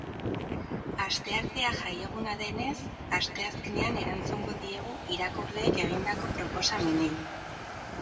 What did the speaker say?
Asteartea jaieguna denez asteazkenean erantzungo diegu irakurleek egindako proposamenei.